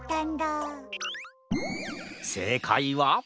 せいかいは？